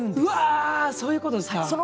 うわそういうことですか！